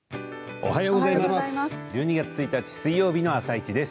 おはようございます。